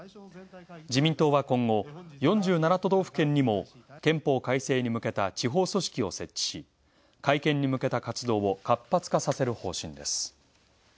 自民党は今後、４７都道府県にも憲法改正に向けた組織を設置し、改憲に向けた活動を活発化させる方針です。